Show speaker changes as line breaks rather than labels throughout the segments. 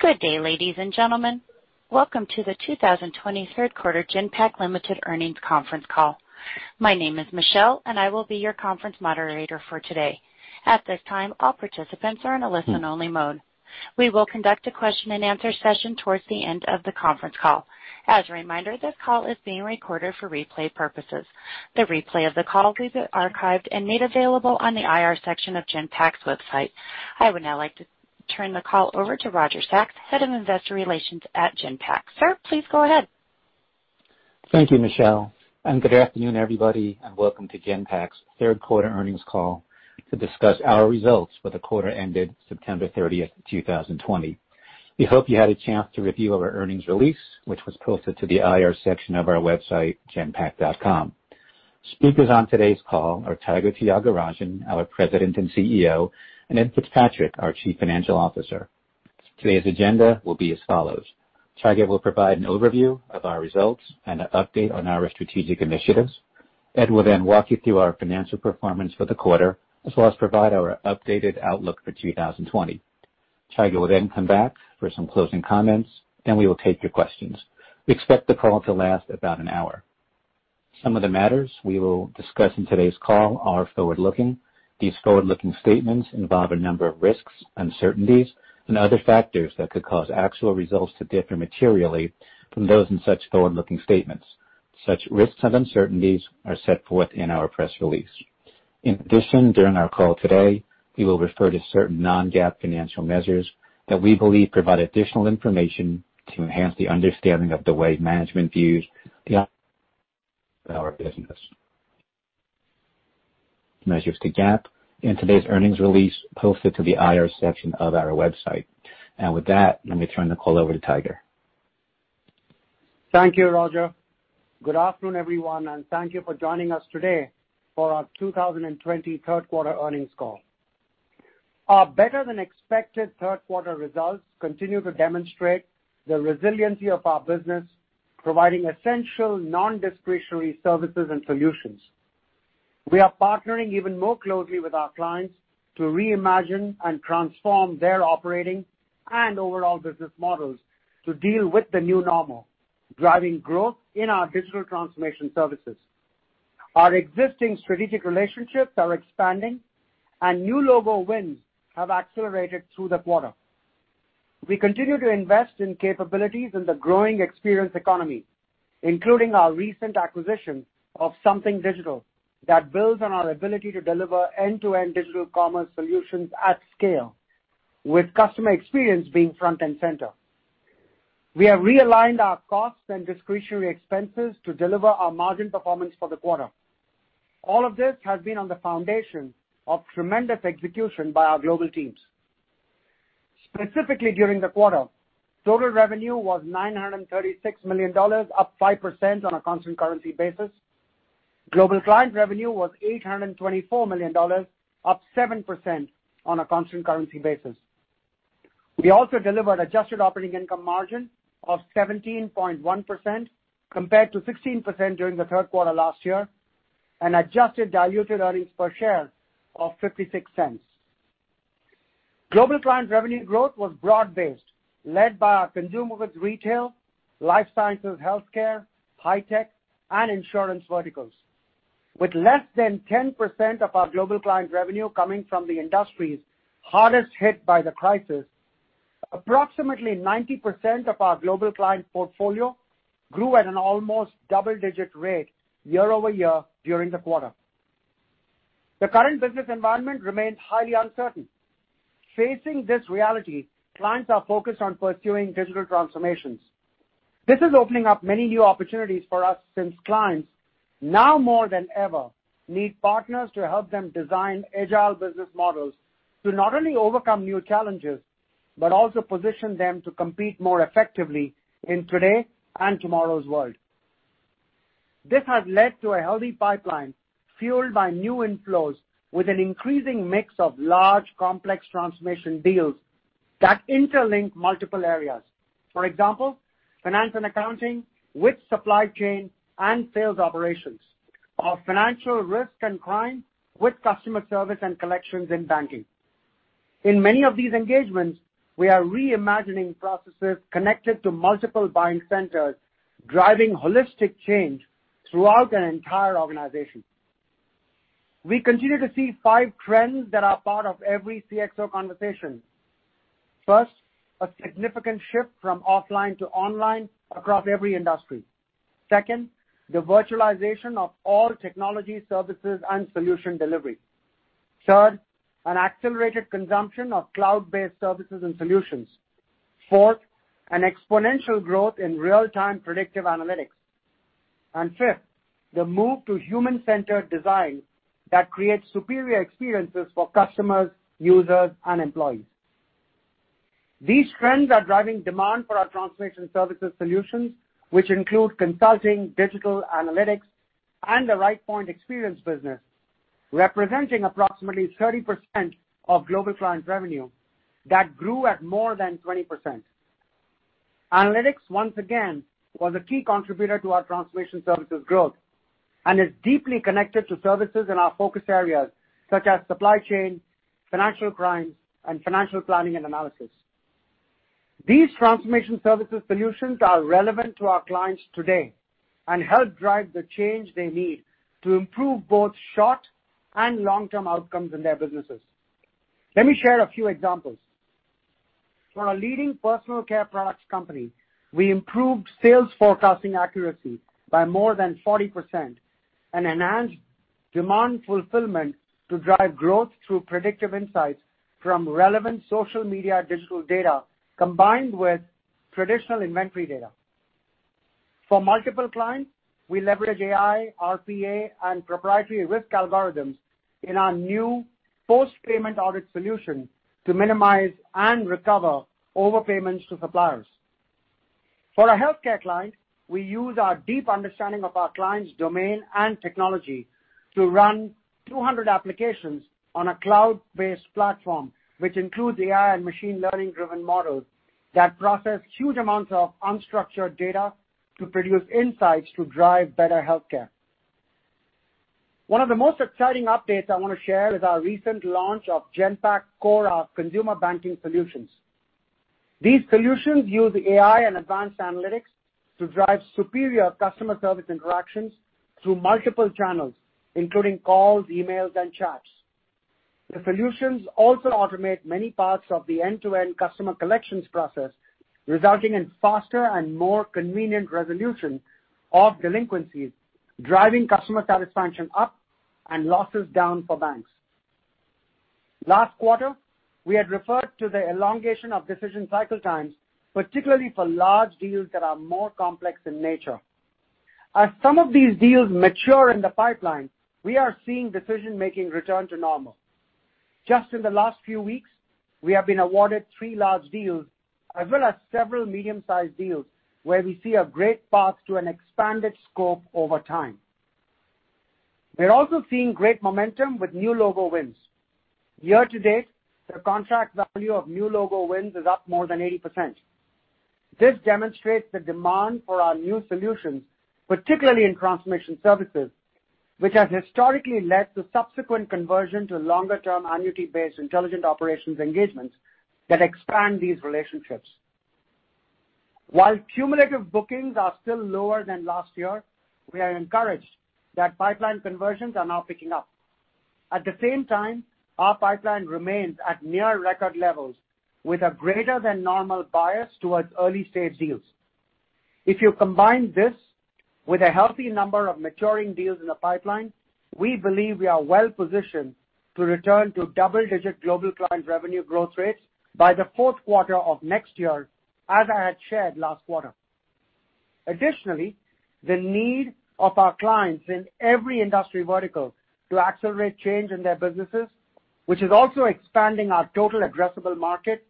Good day, ladies and gentlemen. Welcome to the 2020 third quarter Genpact Limited earnings conference call. My name is Michelle, and I will be your conference moderator for today. At this time, all participants are in a listen-only mode. We will conduct a question-and-answer session towards the end of the conference call. As a reminder, this call is being recorded for replay purposes. The replay of the call will be archived and made available on the IR section of Genpact's website. I would now like to turn the call over to Roger Sachs, Head of Investor Relations at Genpact. Sir, please go ahead.
Thank you, Michelle, and good afternoon, everybody, and welcome to Genpact's third quarter earnings call to discuss our results for the quarter ended September 30th, 2020. We hope you had a chance to review our earnings release, which was posted to the IR section of our website, genpact.com. Speakers on today's call are Tiger Tyagarajan, our President and CEO, Ed Fitzpatrick, our Chief Financial Officer. Today's agenda will be as follows. Tiger will provide an overview of our results and an update on our strategic initiatives. Ed will walk you through our financial performance for the quarter, as well as provide our updated outlook for 2020. Tiger will come back for some closing comments, then we will take your questions. We expect the call to last about an hour. Some of the matters we will discuss in today's call are forward-looking. These forward-looking statements involve a number of risks, uncertainties, and other factors that could cause actual results to differ materially from those in such forward-looking statements. Such risks and uncertainties are set forth in our press release. In addition, during our call today, we will refer to certain non-GAAP financial measures that we believe provide additional information to enhance the understanding of the way management views the of our business. Measures to GAAP in today's earnings release posted to the IR section of our website. With that, let me turn the call over to Tiger.
Thank you, Roger. Good afternoon, everyone. Thank you for joining us today for our 2020 third quarter earnings call. Our better than expected third quarter results continue to demonstrate the resiliency of our business, providing essential non-discretionary services and solutions. We are partnering even more closely with our clients to reimagine and transform their operating and overall business models to deal with the new normal, driving growth in our digital transformation services. Our existing strategic relationships are expanding, and new logo wins have accelerated through the quarter. We continue to invest in capabilities in the growing experience economy, including our recent acquisition of Something Digital, that builds on our ability to deliver end-to-end digital commerce solutions at scale, with customer experience being front and center. We have realigned our costs and discretionary expenses to deliver our margin performance for the quarter. All of this has been on the foundation of tremendous execution by our global teams. Specifically, during the quarter, total revenue was $936 million, up 5% on a constant currency basis. Global Client revenue was $824 million, up 7% on a constant currency basis. We also delivered adjusted operating income margin of 17.1%, compared to 16% during the third quarter last year, and adjusted diluted earnings per share of $0.56. Global Client revenue growth was broad-based, led by our consumer goods, retail, life sciences, healthcare, high tech, and insurance verticals. With less than 10% of our Global Client revenue coming from the industries hardest hit by the crisis, approximately 90% of our Global Client portfolio grew at an almost double-digit rate year-over-year during the quarter. The current business environment remains highly uncertain. Facing this reality, clients are focused on pursuing digital transformations. This is opening up many new opportunities for us since clients, now more than ever, need partners to help them design agile business models to not only overcome new challenges, but also position them to compete more effectively in today and tomorrow's world. This has led to a healthy pipeline fueled by new inflows with an increasing mix of large, complex transformation deals that interlink multiple areas. For example, finance and accounting with supply chain and sales operations, or financial risk and crime with customer service and collections in banking. In many of these engagements, we are reimagining processes connected to multiple buying centers, driving holistic change throughout an entire organization. We continue to see five trends that are part of every CXO conversation. First, a significant shift from offline to online across every industry. Second, the virtualization of all technology services and solution delivery. Third, an accelerated consumption of cloud-based services and solutions. Fourth, an exponential growth in real-time predictive analytics. Fifth, the move to human-centered design that creates superior experiences for customers, users, and employees. These trends are driving demand for our transformation services solutions, which include consulting, digital analytics, and the Rightpoint Experience business, representing approximately 30% of Global Client revenue that grew at more than 20%. Analytics, once again, was a key contributor to our transformation services growth and is deeply connected to services in our focus areas such as supply chain, financial crimes, and financial planning and analysis. These transformation services solutions are relevant to our clients today and help drive the change they need to improve both short and long-term outcomes in their businesses. Let me share a few examples. For a leading personal care products company, we improved sales forecasting accuracy by more than 40% and enhanced demand fulfillment to drive growth through predictive insights from relevant social media digital data, combined with traditional inventory data. For multiple clients, we leverage AI, RPA, and proprietary risk algorithms in our new post-payment audit solution to minimize and recover overpayments to suppliers. For a healthcare client, we use our deep understanding of our client's domain and technology to run 200 applications on a cloud-based platform, which includes AI and machine learning-driven models that process huge amounts of unstructured data to produce insights to drive better healthcare. One of the most exciting updates I want to share is our recent launch of Genpact Cora consumer banking solutions. These solutions use AI and advanced analytics to drive superior customer service interactions through multiple channels, including calls, emails, and chats. The solutions also automate many parts of the end-to-end customer collections process, resulting in faster and more convenient resolution of delinquencies, driving customer satisfaction up and losses down for banks. Last quarter, we had referred to the elongation of decision cycle times, particularly for large deals that are more complex in nature. As some of these deals mature in the pipeline, we are seeing decision-making return to normal. Just in the last few weeks, we have been awarded three large deals as well as several medium-sized deals where we see a great path to an expanded scope over time. We're also seeing great momentum with new logo wins. Year-to-date, the contract value of new logo wins is up more than 80%. This demonstrates the demand for our new solutions, particularly in transformation services, which has historically led to subsequent conversion to longer-term annuity-based intelligent operations engagements that expand these relationships. While cumulative bookings are still lower than last year, we are encouraged that pipeline conversions are now picking up. At the same time, our pipeline remains at near record levels with a greater than normal bias towards early-stage deals. If you combine this with a healthy number of maturing deals in the pipeline, we believe we are well-positioned to return to double-digit Global Client revenue growth rates by the fourth quarter of next year, as I had shared last quarter. Additionally, the need of our clients in every industry vertical to accelerate change in their businesses, which is also expanding our total addressable market,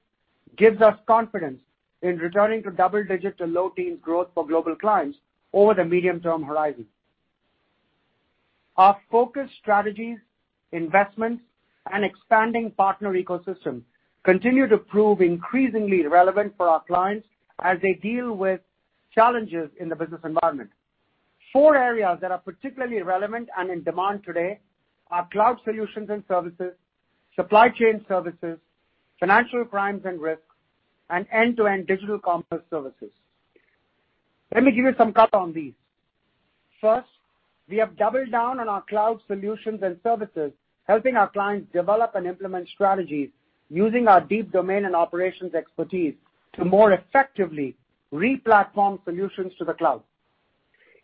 gives us confidence in returning to double-digit to low teens growth for Global Clients over the medium-term horizon. Our focused strategies, investments, and expanding partner ecosystem continue to prove increasingly relevant for our clients as they deal with challenges in the business environment. Four areas that are particularly relevant and in demand today are cloud solutions and services, supply chain services, financial crimes and risk, and end-to-end digital commerce services. Let me give you some color on these. First, we have doubled down on our cloud solutions and services, helping our clients develop and implement strategies using our deep domain and operations expertise to more effectively re-platform solutions to the cloud.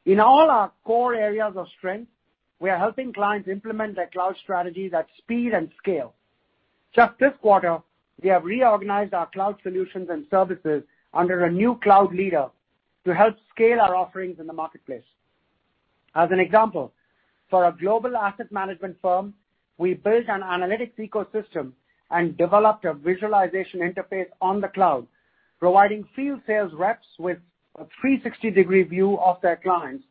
In all our core areas of strength, we are helping clients implement their cloud strategies at speed and scale. Just this quarter, we have reorganized our cloud solutions and services under a new cloud leader to help scale our offerings in the marketplace. As an example, for a global asset management firm, we built an analytics ecosystem and developed a visualization interface on the cloud, providing field sales reps with a 360-degree view of their clients,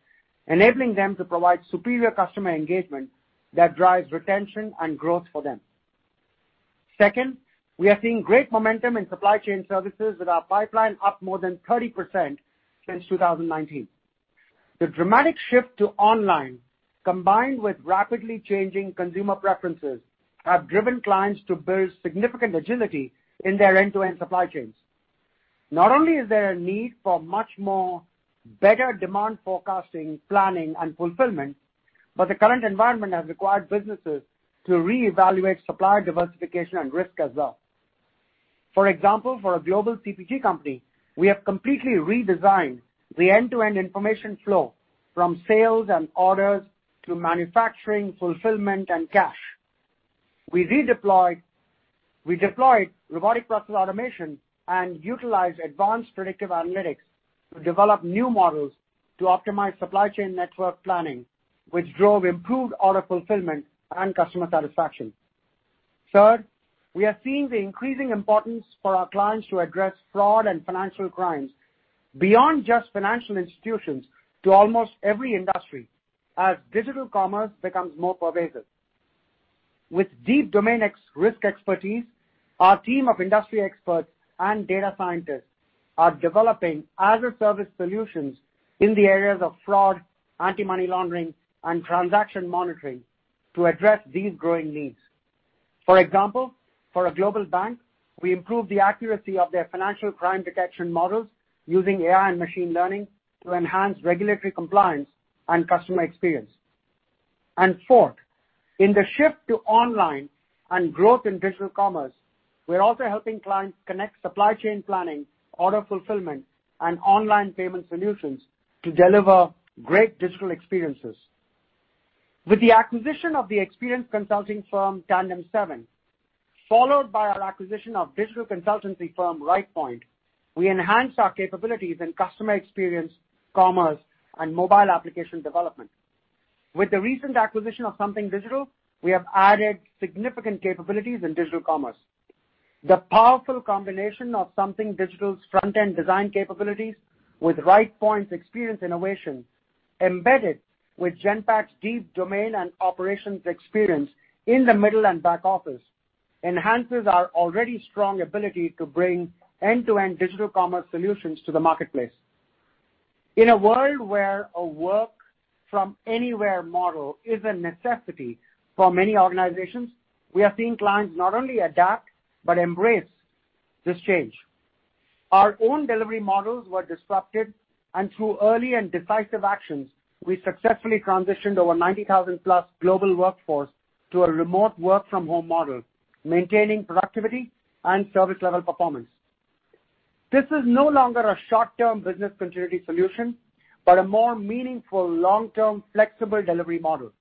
enabling them to provide superior customer engagement that drives retention and growth for them. Second, we are seeing great momentum in supply chain services, with our pipeline up more than 30% since 2019. The dramatic shift to online, combined with rapidly changing consumer preferences, have driven clients to build significant agility in their end-to-end supply chains. Not only is there a need for much more better demand forecasting, planning, and fulfillment, but the current environment has required businesses to reevaluate supplier diversification and risk as well. For example, for a global CPG company, we have completely redesigned the end-to-end information flow from sales and orders to manufacturing, fulfillment, and cash. We deployed robotic process automation and utilized advanced predictive analytics to develop new models to optimize supply chain network planning, which drove improved order fulfillment and customer satisfaction. Third, we are seeing the increasing importance for our clients to address fraud and financial crimes beyond just financial institutions to almost every industry as digital commerce becomes more pervasive. With deep domain risk expertise, our team of industry experts and data scientists are developing as-a-service solutions in the areas of fraud, anti-money laundering, and transaction monitoring to address these growing needs. For example, for a global bank, we improved the accuracy of their financial crime detection models using AI and machine learning to enhance regulatory compliance and customer experience. Fourth, in the shift to online and growth in digital commerce, we're also helping clients connect supply chain planning, order fulfillment, and online payment solutions to deliver great digital experiences. With the acquisition of the experience consulting firm, TandemSeven, followed by our acquisition of digital consultancy firm, Rightpoint, we enhanced our capabilities in customer experience, commerce, and mobile application development. With the recent acquisition of Something Digital, we have added significant capabilities in digital commerce. The powerful combination of Something Digital's front-end design capabilities with Rightpoint's experience innovation embedded with Genpact's deep domain and operations experience in the middle and back office enhances our already strong ability to bring end-to-end digital commerce solutions to the marketplace. In a world where a work from anywhere model is a necessity for many organizations, we are seeing clients not only adapt, but embrace this change. Our own delivery models were disrupted, and through early and decisive actions, we successfully transitioned over 90,000+ global workforce to a remote work from home model, maintaining productivity and service level performance. This is no longer a short-term business continuity solution, but a more meaningful long-term flexible delivery model.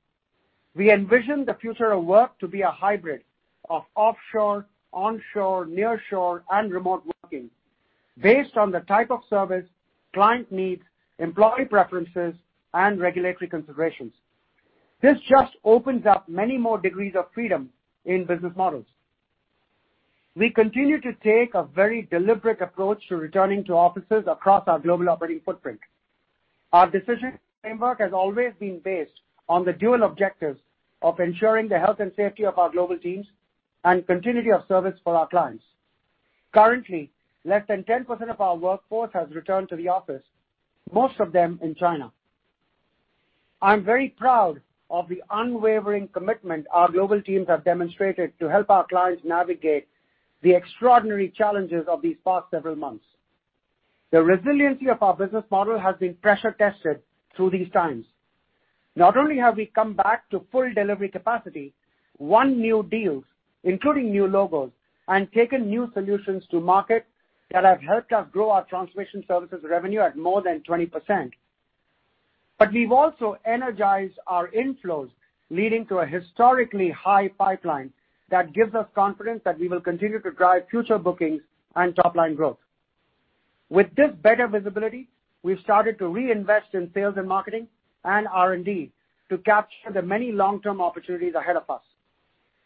We envision the future of work to be a hybrid of offshore, onshore, nearshore, and remote working based on the type of service, client needs, employee preferences, and regulatory considerations. This just opens up many more degrees of freedom in business models. We continue to take a very deliberate approach to returning to offices across our global operating footprint. Our decision framework has always been based on the dual objectives of ensuring the health and safety of our global teams and continuity of service for our clients. Currently, less than 10% of our workforce has returned to the office, most of them in China. I'm very proud of the unwavering commitment our global teams have demonstrated to help our clients navigate the extraordinary challenges of these past several months. The resiliency of our business model has been pressure tested through these times. Not only have we come back to full delivery capacity, won new deals, including new logos, and taken new solutions to market that have helped us grow our transformation services revenue at more than 20%, but we've also energized our inflows, leading to a historically high pipeline that gives us confidence that we will continue to drive future bookings and top-line growth. With this better visibility, we've started to reinvest in sales and marketing and R&D to capture the many long-term opportunities ahead of us.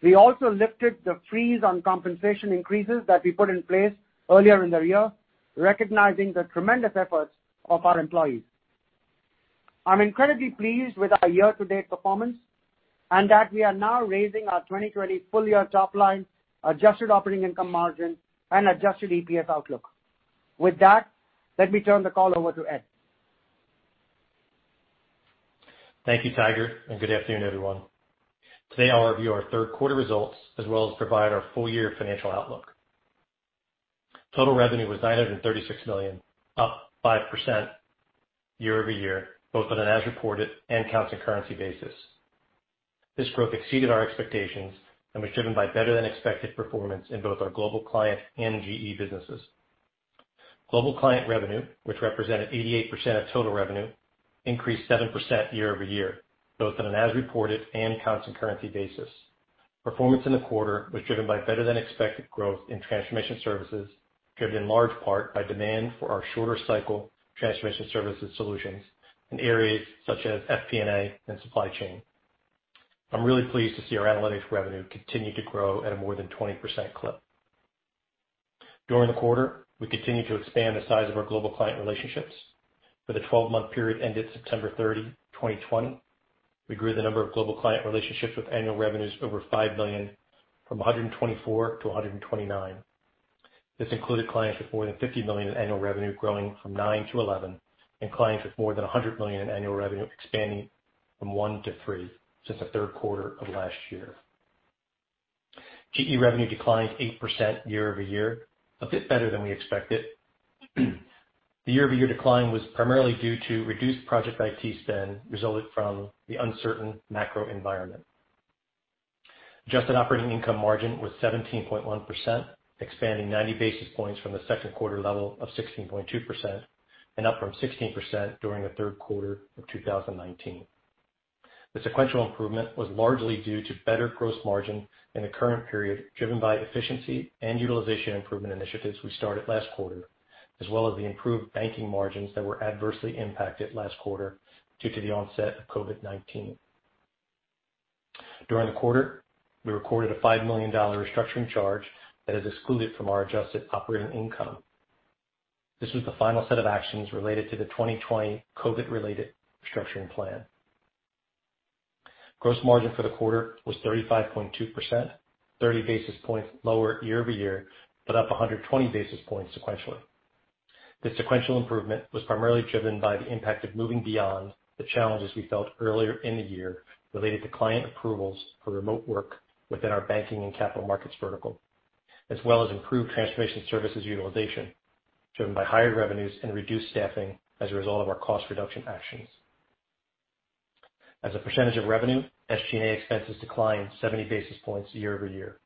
We also lifted the freeze on compensation increases that we put in place earlier in the year, recognizing the tremendous efforts of our employees. I'm incredibly pleased with our year-to-date performance, and that we are now raising our 2020 full-year top line, adjusted operating income margin, and adjusted EPS outlook. With that, let me turn the call over to Ed.
Thank you, Tiger, and good afternoon, everyone. Today, I'll review our third quarter results as well as provide our full-year financial outlook. Total revenue was $936 million, up 5% year-over-year, both on an as-reported and constant currency basis. This growth exceeded our expectations and was driven by better than expected performance in both our Global Client and GE businesses. Global Client revenue, which represented 88% of total revenue, increased 7% year-over-year, both on an as-reported and constant currency basis. Performance in the quarter was driven by better than expected growth in transformation services, driven in large part by demand for our shorter cycle transformation services solutions in areas such as FP&A and supply chain. I'm really pleased to see our analytics revenue continue to grow at a more than 20% clip. During the quarter, we continued to expand the size of our Global Client relationships. For the 12-month period ended September 30, 2020, we grew the number of Global Client relationships with annual revenues over $5 million from 124 to 129. This included clients with more than $50 million in annual revenue growing from nine to 11, and clients with more than $100 million in annual revenue expanding from one to three since the third quarter of last year. GE revenue declined 8% year-over-year, a bit better than we expected. The year-over-year decline was primarily due to reduced project IT spend resulting from the uncertain macro environment. Adjusted operating income margin was 17.1%, expanding 90 basis points from the second quarter level of 16.2%, and up from 16% during the third quarter of 2019. The sequential improvement was largely due to better gross margin in the current period, driven by efficiency and utilization improvement initiatives we started last quarter, as well as the improved banking margins that were adversely impacted last quarter due to the onset of COVID-19. During the quarter, we recorded a $5 million restructuring charge that is excluded from our adjusted operating income. This was the final set of actions related to the 2020 COVID-related restructuring plan. Gross margin for the quarter was 35.2%, 30 basis points lower year-over-year, but up 120 basis points sequentially. The sequential improvement was primarily driven by the impact of moving beyond the challenges we felt earlier in the year related to client approvals for remote work within our banking and capital markets vertical, as well as improved transformation services utilization, driven by higher revenues and reduced staffing as a result of our cost reduction actions. As a percentage of revenue, SG&A expenses declined 70 basis points year-over-year,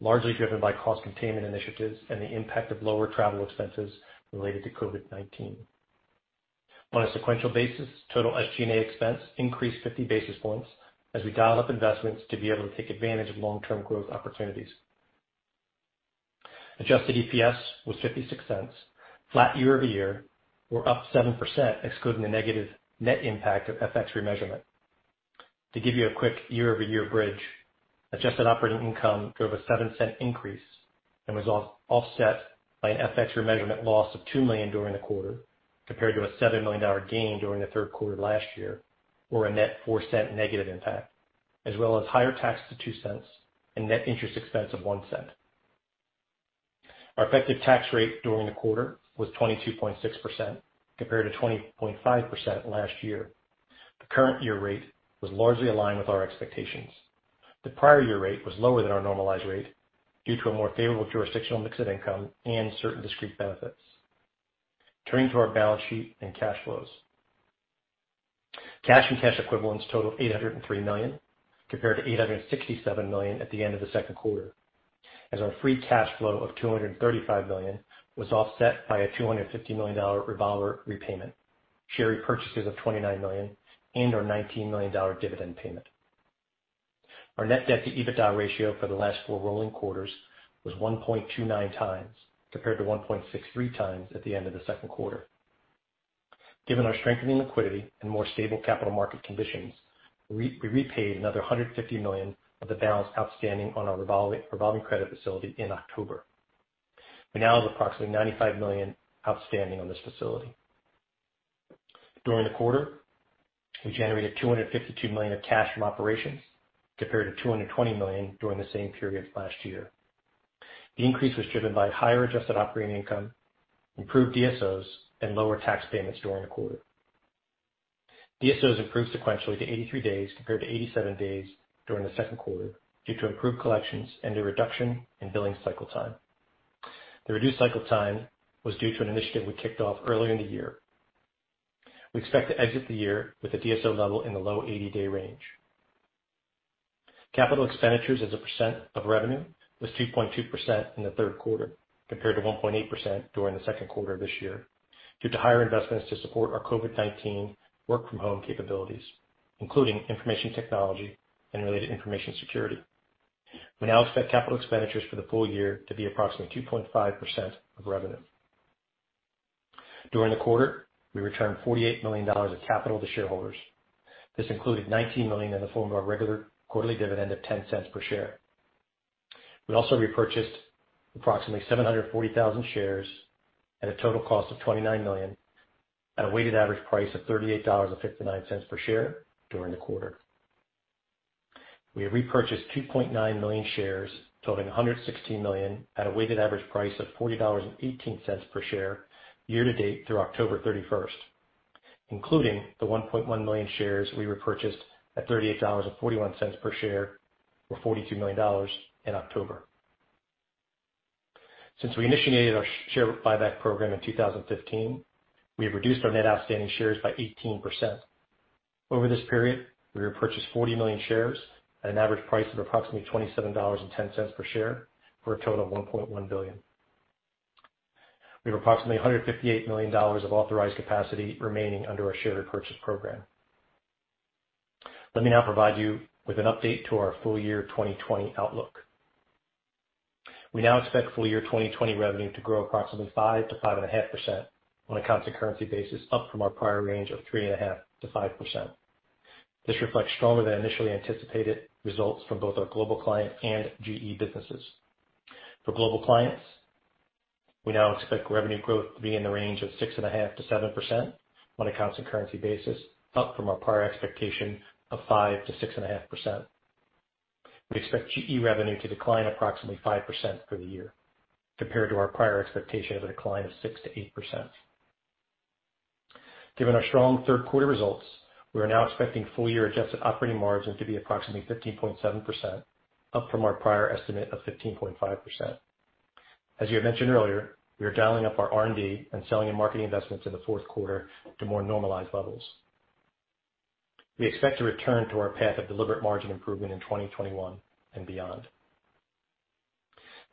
largely driven by cost containment initiatives and the impact of lower travel expenses related to COVID-19. On a sequential basis, total SG&A expense increased 50 basis points as we dialed up investments to be able to take advantage of long-term growth opportunities. Adjusted EPS was $0.56, flat year-over-year, or up 7%, excluding the negative net impact of FX remeasurement. To give you a quick year-over-year bridge, adjusted operating income drove a $0.07 increase and was offset by an FX remeasurement loss of $2 million during the quarter, compared to a $7 million gain during the third quarter of last year, or a net $0.04 negative impact, as well as higher tax to $0.02 and net interest expense of $0.01. Our effective tax rate during the quarter was 22.6% compared to 20.5% last year. The current year rate was largely aligned with our expectations. The prior year rate was lower than our normalized rate due to a more favorable jurisdictional mix of income and certain discrete benefits. Turning to our balance sheet and cash flows. Cash and cash equivalents total $803 million, compared to $867 million at the end of the second quarter, as our free cash flow of $235 million was offset by a $250 million revolver repayment, share repurchases of $29 million, and our $19 million dividend payment. Our net debt to EBITDA ratio for the last four rolling quarters was 1.29x, compared to 1.63x at the end of the second quarter. Given our strengthening liquidity and more stable capital market conditions, we repaid another $150 million of the balance outstanding on our revolving credit facility in October. We now have approximately $95 million outstanding on this facility. During the quarter, we generated $252 million of cash from operations, compared to $220 million during the same period last year. The increase was driven by higher adjusted operating income, improved DSOs, and lower tax payments during the quarter. DSOs improved sequentially to 83 days, compared to 87 days during the second quarter, due to improved collections and a reduction in billing cycle time. The reduced cycle time was due to an initiative we kicked off earlier in the year. We expect to exit the year with a DSO level in the low 80-day range. Capital expenditures as a percent of revenue was 2.2% in the third quarter, compared to 1.8% during the second quarter of this year, due to higher investments to support our COVID-19 work from home capabilities, including information technology and related information security. We now expect capital expenditures for the full year to be approximately 2.5% of revenue. During the quarter, we returned $48 million of capital to shareholders. This included $19 million in the form of our regular quarterly dividend of $0.10 per share. We also repurchased approximately 740,000 shares at a total cost of $29 million at a weighted average price of $38.59 per share during the quarter. We have repurchased 2.9 million shares totaling $116 million at a weighted average price of $40.18 per share year to date through October 31st, including the 1.1 million shares we repurchased at $38.41 per share, or $42 million in October. Since we initiated our share buyback program in 2015, we have reduced our net outstanding shares by 18%. Over this period, we repurchased 40 million shares at an average price of approximately $27.10 per share for a total of $1.1 billion. We have approximately $158 million of authorized capacity remaining under our share repurchase program. Let me now provide you with an update to our full year 2020 outlook. We now expect full year 2020 revenue to grow approximately 5%-5.5% on a constant currency basis, up from our prior range of 3.5%-5%. This reflects stronger than initially anticipated results from both our Global Client and GE businesses. For Global Clients, we now expect revenue growth to be in the range of 6.5%-7% on a constant currency basis, up from our prior expectation of 5%-6.5%. We expect GE revenue to decline approximately 5% for the year, compared to our prior expectation of a decline of 6%-8%. Given our strong third quarter results, we are now expecting full year adjusted operating margins to be approximately 15.7%, up from our prior estimate of 15.5%. As you had mentioned earlier, we are dialing up our R&D and selling and marketing investments in the fourth quarter to more normalized levels. We expect to return to our path of deliberate margin improvement in 2021 and beyond.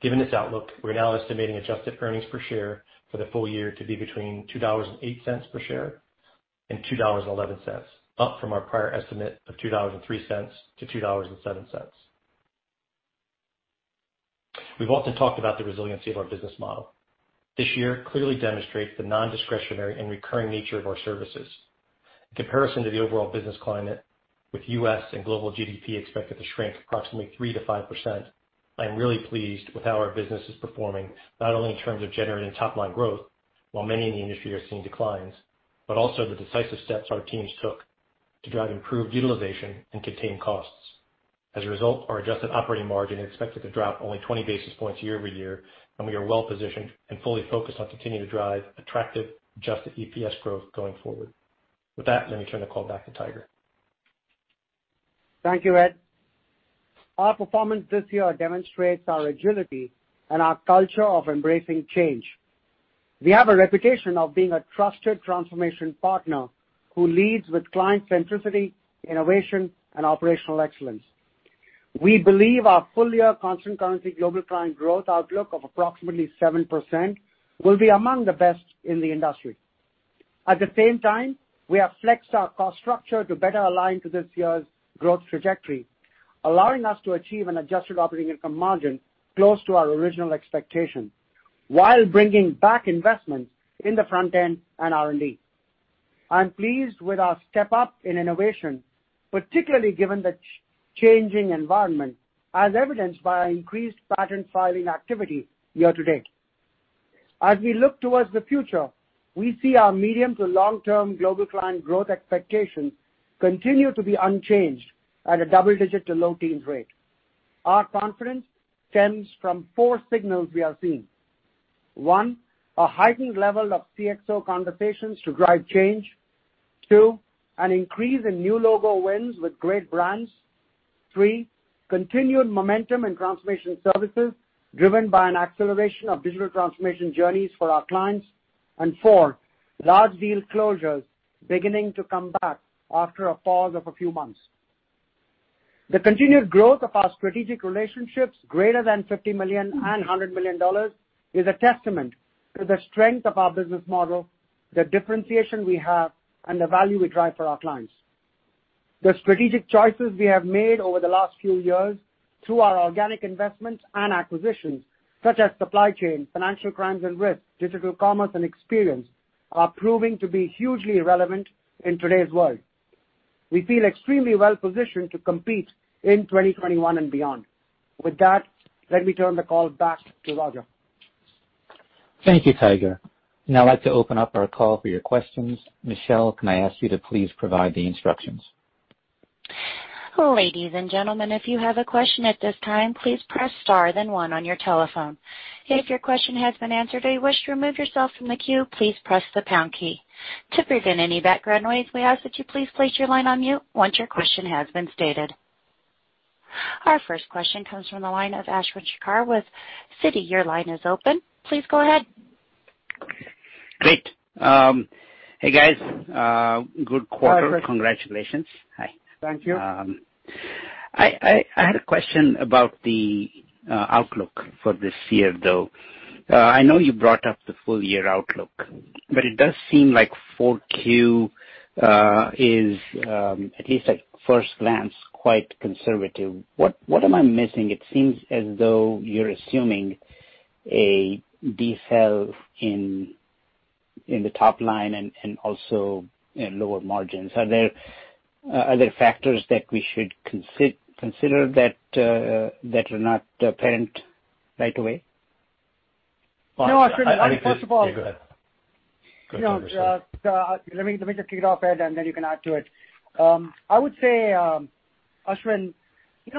Given this outlook, we're now estimating adjusted earnings per share for the full year to be between $2.08 per share and $2.11, up from our prior estimate of $2.03-$2.07. We've often talked about the resiliency of our business model. This year clearly demonstrates the non-discretionary and recurring nature of our services. In comparison to the overall business climate, with U.S. and global GDP expected to shrink approximately 3%-5%, I am really pleased with how our business is performing, not only in terms of generating top-line growth while many in the industry are seeing declines, but also the decisive steps our teams took to drive improved utilization and contain costs. As a result, our adjusted operating margin is expected to drop only 20 basis points year-over-year, and we are well-positioned and fully focused on continuing to drive attractive adjusted EPS growth going forward. With that, let me turn the call back to Tiger.
Thank you, Ed. Our performance this year demonstrates our agility and our culture of embracing change. We have a reputation of being a trusted transformation partner who leads with client centricity, innovation, and operational excellence. We believe our full-year constant currency Global Client growth outlook of approximately 7% will be among the best in the industry. At the same time, we have flexed our cost structure to better align to this year's growth trajectory, allowing us to achieve an adjusted operating income margin close to our original expectation while bringing back investments in the front end and R&D. I'm pleased with our step up in innovation, particularly given the changing environment, as evidenced by our increased patent filing activity year to date. As we look towards the future, we see our medium to long-term Global Client growth expectations continue to be unchanged at a double-digit to low-teens rate. Our confidence stems from four signals we are seeing. One, a heightened level of CXO conversations to drive change. Two, an increase in new logo wins with great brands. Three, continued momentum in transformation services driven by an acceleration of digital transformation journeys for our clients. Four, large deal closures beginning to come back after a pause of a few months. The continued growth of our strategic relationships greater than $50 million and $100 million is a testament to the strength of our business model, the differentiation we have, and the value we drive for our clients. The strategic choices we have made over the last few years through our organic investments and acquisitions, such as supply chain, financial crimes and risk, digital commerce and experience, are proving to be hugely relevant in today's world. We feel extremely well-positioned to compete in 2021 and beyond. With that, let me turn the call back to Roger.
Thank you, Tiger. Now I'd like to open up our call for your questions. Michelle, can I ask you to please provide the instructions?
Ladies and gentlemen, if you have a question at this time, please press star then one on your telephone. If your question has been answered or you wish to remove yourself from the queue, please press the pound key. To prevent any background noise, we ask that you please place your line on mute once your question has been stated. Our first question comes from the line of Ashwin Shirvaikar with Citi. Your line is open. Please go ahead.
Great. Hey, guys. Good quarter.
Hi, Ashwin.
Congratulations. Hi.
Thank you.
I had a question about the outlook for this year, though. I know you brought up the full-year outlook, but it does seem like 4Q is, at least at first glance, quite conservative. What am I missing? It seems as though you're assuming a de-sell in the top line and also lower margins. Are there other factors that we should consider that are not apparent right away?
No, Ashwin. First of all-
Yeah, go ahead. Go ahead.
Let me just kick it off, Ed, and then you can add to it. I would say, Ashwin,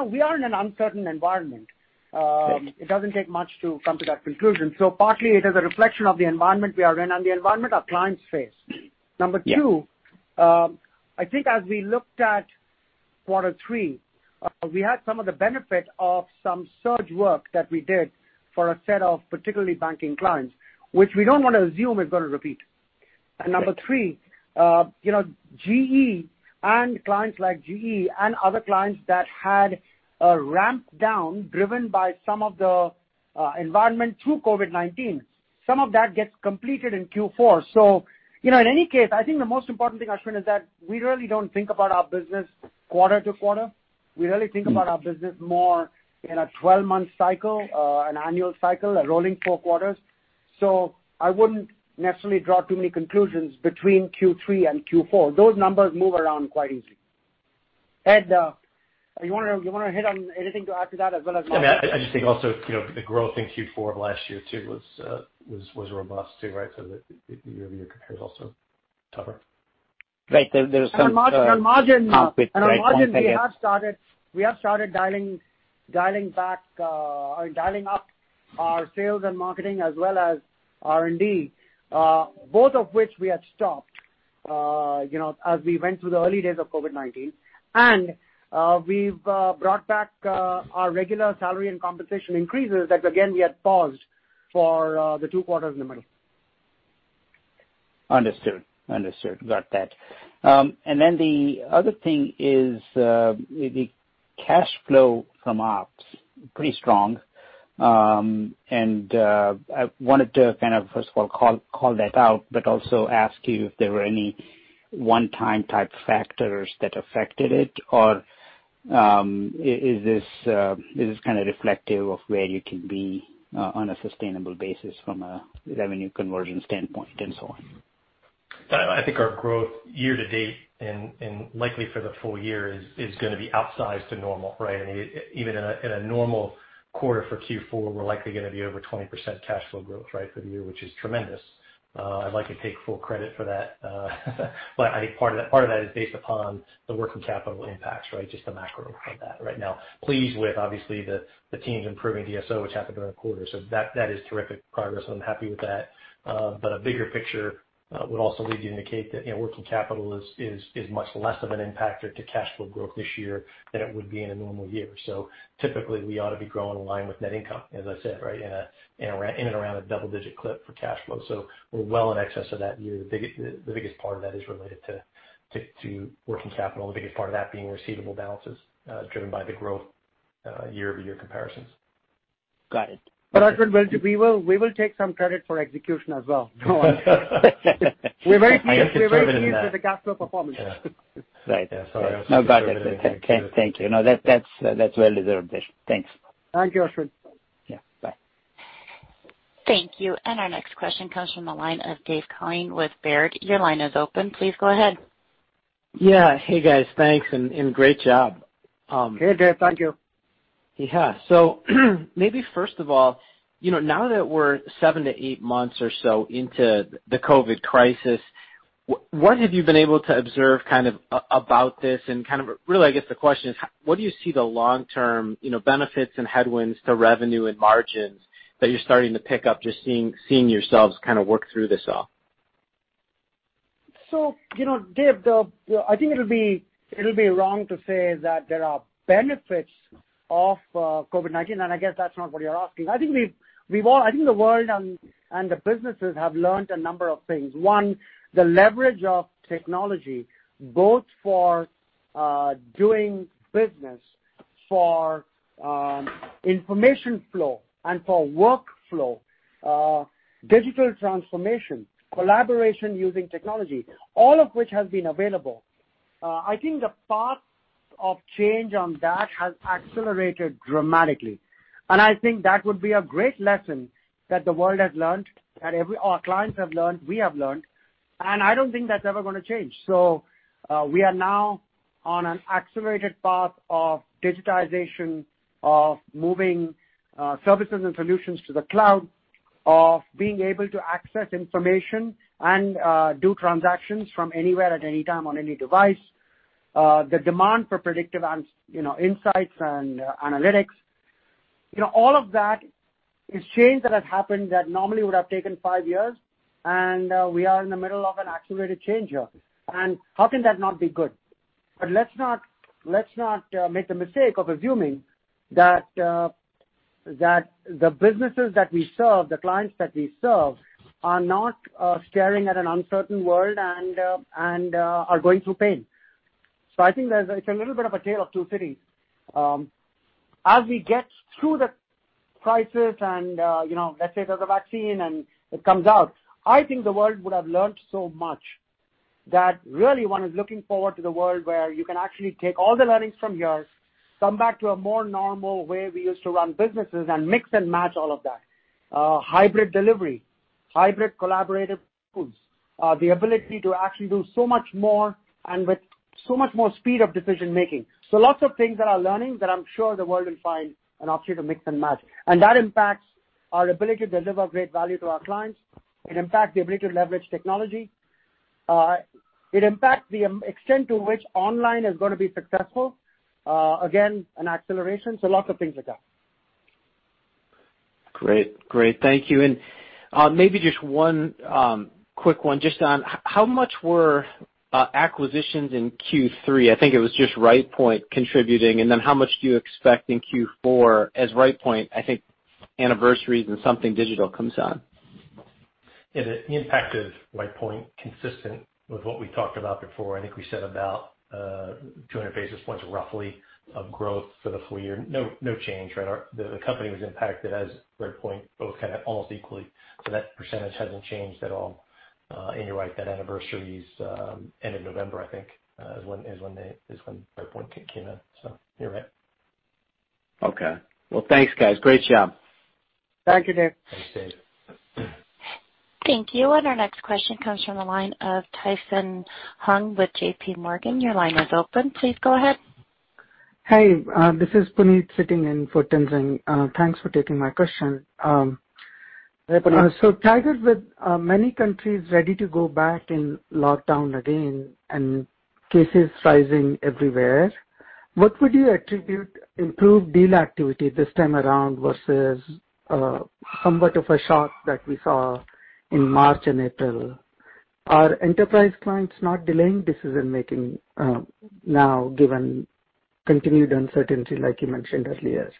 we are in an uncertain environment. It doesn't take much to come to that conclusion. Partly it is a reflection of the environment we are in and the environment our clients face. Number two, I think as we looked at quarter three, we had some of the benefit of some surge work that we did for a set of particularly banking clients, which we don't want to assume is going to repeat. Number three, GE and clients like GE and other clients that had a ramp down driven by some of the environment through COVID-19, some of that gets completed in Q4. In any case, I think the most important thing, Ashwin, is that we really don't think about our business quarter to quarter. We really think about our business more in a 12-month cycle, an annual cycle, a rolling four quarters. I wouldn't necessarily draw too many conclusions between Q3 and Q4. Those numbers move around quite easily. Ed, you want to hit on anything to add to that as well as-
I just think also, the growth in Q4 of last year, too, was robust, too, so the year-over-year compare is also tougher.
On margin, we have started dialing up our sales and marketing as well as R&D, both of which we had stopped as we went through the early days of COVID-19. We've brought back our regular salary and compensation increases that, again, we had paused for the two quarters in the middle.
Understood. Got that. The other thing is, the cash flow from ops, pretty strong. I wanted to kind of, first of all, call that out, but also ask you if there were any one-time type factors that affected it or is this reflective of where you can be on a sustainable basis from a revenue conversion standpoint and so on?
I think our growth year to date, and likely for the full year, is going to be outsized to normal, right? Even in a normal quarter for Q4, we're likely going to be over 20% cash flow growth for the year, which is tremendous. I'd like to take full credit for that. I think part of that is based upon the working capital impacts, just the macro of that. Pleased with, obviously, the teams improving DSO, which happened during the quarter. That is terrific progress, and I'm happy with that. A bigger picture would also lead you to indicate that working capital is much less of an impactor to cash flow growth this year than it would be in a normal year. Typically, we ought to be growing in line with net income, as I said, in and around a double-digit clip for cash flow. We're well in excess of that year. The biggest part of that is related to working capital, and the biggest part of that being receivable balances, driven by the growth year-over-year comparisons.
Got it.
Ashwin, we will take some credit for execution as well. We're very pleased with the cash flow performance.
No, got it. Thank you. No, that's well deserved. Thanks.
Thank you, Ashwin.
Yeah, bye.
Thank you. Our next question comes from the line of Dave Koning with Baird. Your line is open. Please go ahead.
Yeah. Hey, guys. Thanks, and great job.
Hey, Dave. Thank you.
Maybe first of all, now that we're seven to eight months or so into the COVID crisis, what have you been able to observe about this and kind of really, I guess the question is, what do you see the long-term benefits and headwinds to revenue and margins that you're starting to pick up, just seeing yourselves work through this all?
Dave, I think it'll be wrong to say that there are benefits of COVID-19, and I guess that's not what you're asking. I think the world and the businesses have learnt a number of things. One, the leverage of technology, both for doing business, for information flow, and for workflow. Digital transformation, collaboration using technology, all of which has been available. I think the path of change on that has accelerated dramatically, and I think that would be a great lesson that the world has learnt, our clients have learnt, we have learnt, and I don't think that's ever gonna change. We are now on an accelerated path of digitization, of moving services and solutions to the cloud, of being able to access information and do transactions from anywhere, at any time, on any device. The demand for predictive insights and analytics. All of that is change that has happened that normally would have taken five years. We are in the middle of an accelerated change here. How can that not be good? Let's not make the mistake of assuming that the businesses that we serve, the clients that we serve, are not staring at an uncertain world and are going through pain. I think it's a little bit of a tale of two cities. As we get through the crisis and let's say there's a vaccine and it comes out, I think the world would have learned so much that really one is looking forward to the world where you can actually take all the learnings from here, come back to a more normal way we used to run businesses, and mix and match all of that. Hybrid delivery, hybrid collaborative tools, the ability to actually do so much more, and with so much more speed of decision-making. Lots of things that are learning that I'm sure the world will find an option to mix and match. That impacts our ability to deliver great value to our clients. It impacts the ability to leverage technology. It impacts the extent to which online is going to be successful. Again, an acceleration, so lots of things like that.
Great. Thank you. Maybe just one quick one, just on how much were acquisitions in Q3? I think it was just Rightpoint contributing. How much do you expect in Q4 as Rightpoint, I think anniversaries and Something Digital comes on?
Yeah. The impact of Rightpoint, consistent with what we talked about before, I think we said about 200 basis points, roughly, of growth for the full year. No change, right? The company was impacted as Rightpoint, both almost equally. That percentage hasn't changed at all. You're right, that anniversary's end of November, I think, is when Rightpoint came in. You're right.
Okay. Well, thanks, guys. Great job.
Thank you, Dave.
Thanks, Dave.
Thank you. Our next question comes from the line of Tien-Tsin Huang with JPMorgan. Your line is open. Please go ahead.
Hey, this is Puneet sitting in for Tien-Tsin. Thanks for taking my question.
Hi, Puneet.
Tiger, with many countries ready to go back in lockdown again and cases rising everywhere, what would you attribute improved deal activity this time around versus somewhat of a shock that we saw in March and April? Are enterprise clients not delaying decision-making now, given continued uncertainty, like you mentioned earlier?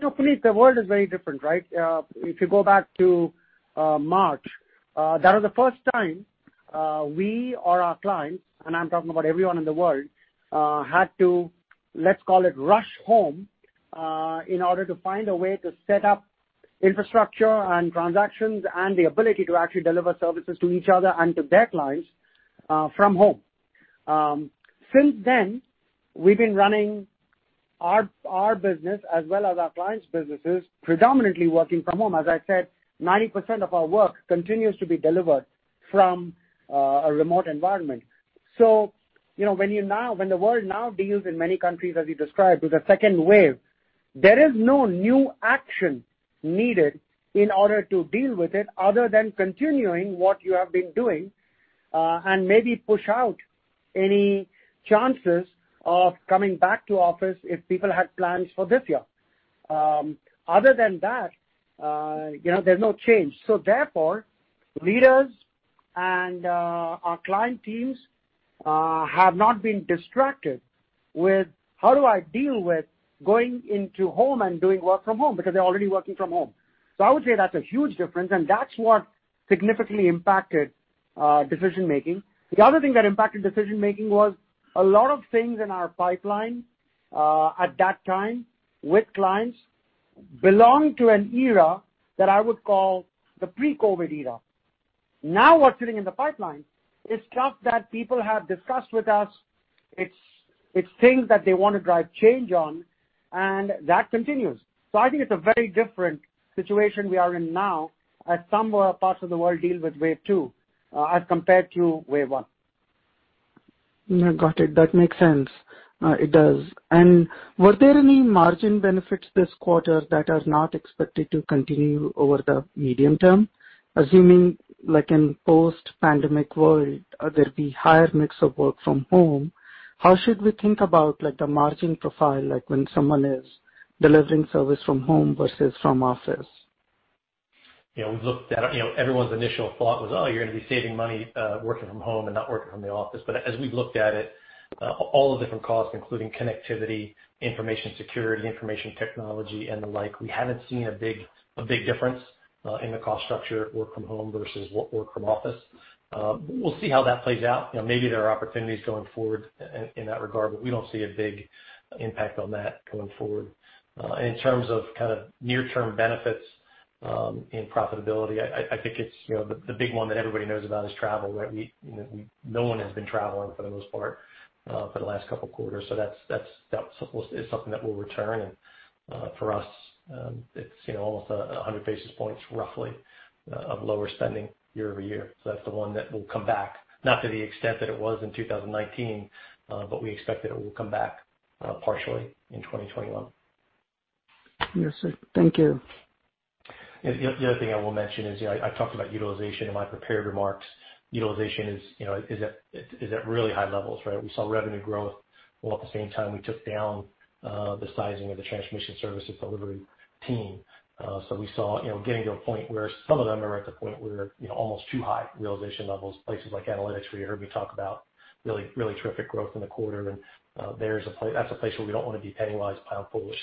No, Puneet, the world is very different, right? If you go back to March, that was the first time we or our clients, and I'm talking about everyone in the world, had to, let's call it, rush home in order to find a way to set up infrastructure and transactions and the ability to actually deliver services to each other and to their clients from home. Since then, we've been running our business as well as our clients' businesses predominantly working from home. As I said, 90% of our work continues to be delivered from a remote environment. When the world now deals in many countries, as you described, with a second wave, there is no new action needed in order to deal with it other than continuing what you have been doing, and maybe push out any chances of coming back to office if people had plans for this year. Other than that, there's no change. Therefore, leaders and our client teams have not been distracted with, "How do I deal with going into home and doing work from home?" Because they're already working from home. I would say that's a huge difference, and that's what significantly impacted decision-making. The other thing that impacted decision-making was a lot of things in our pipeline, at that time with clients, belonged to an era that I would call the pre-COVID era. Now, what's sitting in the pipeline is stuff that people have discussed with us. It's things that they want to drive change on, and that continues. I think it's a very different situation we are in now as some parts of the world deal with wave two, as compared to wave one.
Got it. That makes sense. It does. Were there any margin benefits this quarter that are not expected to continue over the medium-term? Assuming, like in post-pandemic world, there'll be higher mix of work from home, how should we think about the margin profile, like when someone is delivering service from home versus from office?
Everyone's initial thought was, "Oh, you're going to be saving money, working from home and not working from the office." As we've looked at it, all the different costs, including connectivity, information security, information technology, and the like, we haven't seen a big difference in the cost structure work from home versus work from office. We'll see how that plays out. Maybe there are opportunities going forward in that regard, but we don't see a big impact on that going forward. In terms of near-term benefits in profitability, I think the big one that everybody knows about is travel. No one has been traveling for the most part, for the last couple of quarters, so that is something that will return. For us, it's almost 100 basis points roughly, of lower spending year-over-year. That's the one that will come back, not to the extent that it was in 2019. We expect that it will come back partially in 2021.
Yes, sir. Thank you.
The other thing I will mention is, I talked about utilization in my prepared remarks. Utilization is at really high levels, right? We saw revenue growth, while at the same time we took down the sizing of the transformation services delivery team. We saw, getting to a point where some of them are at the point where, almost too high realization levels. Places like analytics, where you heard me talk about really terrific growth in the quarter. That's a place where we don't want to be penny wise, pound foolish,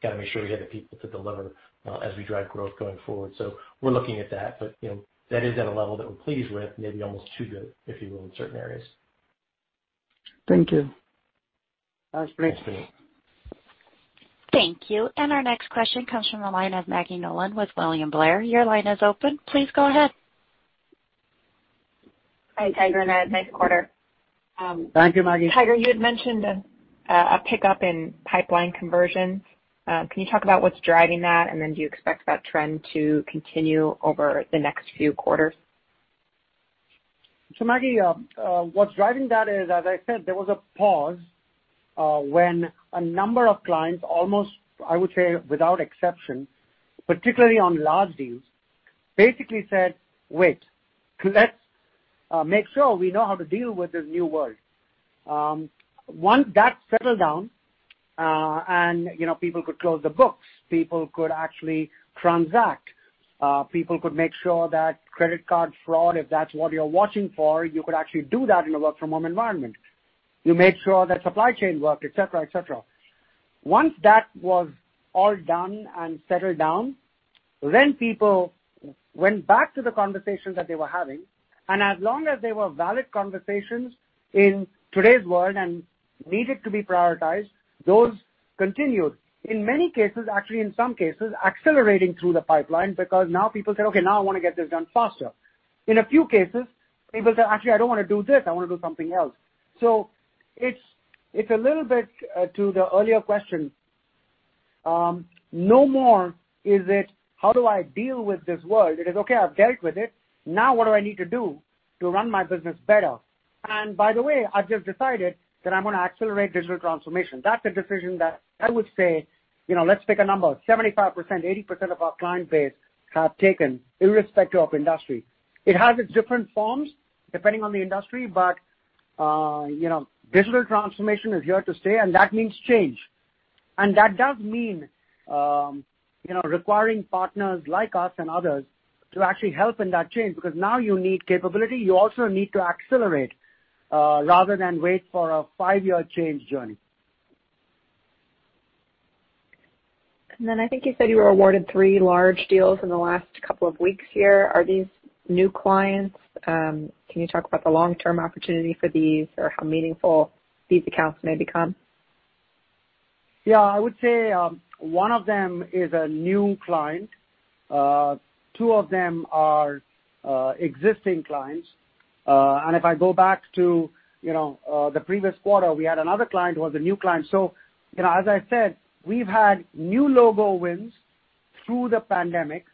got to make sure we have the people to deliver as we drive growth going forward. We're looking at that. That is at a level that we're pleased with, maybe almost too good, if you will, in certain areas.
Thank you.
That's great.
Thank you. Our next question comes from the line of Maggie Nolan with William Blair. Your line is open. Please go ahead.
Hi, Tiger and Ed. Nice quarter.
Thank you, Maggie.
Tiger, you had mentioned a pickup in pipeline conversions. Can you talk about what's driving that? Do you expect that trend to continue over the next few quarters?
Maggie, what's driving that is, as I said, there was a pause, when a number of clients almost, I would say, without exception, particularly on large deals, basically said, "Wait. Let's make sure we know how to deal with this new world." Once that settled down, and people could close the books. People could actually transact. People could make sure that credit card fraud, if that's what you're watching for, you could actually do that in a work from home environment. You made sure that supply chain worked, et cetera, et cetera. Once that was all done and settled down, then people went back to the conversations that they were having, and as long as they were valid conversations in today's world and needed to be prioritized, those continued. In many cases, actually in some cases, accelerating through the pipeline, because now people said, "Okay, now I want to get this done faster." In a few cases, people said, "Actually, I don't want to do this. I want to do something else." It's a little bit to the earlier question. No more is it, "How do I deal with this world?" It is, "Okay, I've dealt with it. Now what do I need to do to run my business better? By the way, I've just decided that I'm going to accelerate digital transformation." That's a decision that I would say, let's pick a number, 75%, 80% of our client base have taken irrespective of industry. It has its different forms depending on the industry. Digital transformation is here to stay, and that means change. That does mean requiring partners like us and others to actually help in that change, because now you need capability. You also need to accelerate, rather than wait for a five-year change journey.
I think you said you were awarded three large deals in the last couple of weeks here. Are these new clients? Can you talk about the long-term opportunity for these or how meaningful these accounts may become?
Yeah, I would say one of them is a new client. Two of them are existing clients. If I go back to the previous quarter, we had another client who was a new client. As I said, we've had new logo wins through the pandemic,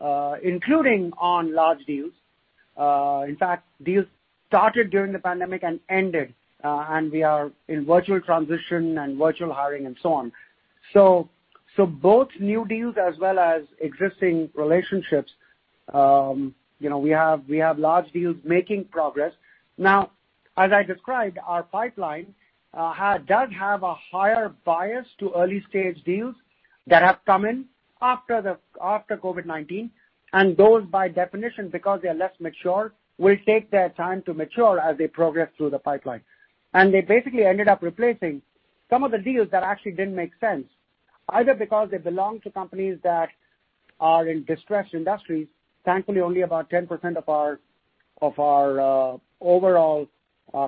including on large deals. In fact, deals started during the pandemic and ended, and we are in virtual transition and virtual hiring and so on. Both new deals as well as existing relationships, we have large deals making progress. Now, as I described, our pipeline does have a higher bias to early-stage deals that have come in after COVID-19, and those, by definition, because they are less mature, will take their time to mature as they progress through the pipeline. They basically ended up replacing some of the deals that actually didn't make sense, either because they belong to companies that are in distressed industries. Thankfully, only about 10% of our overall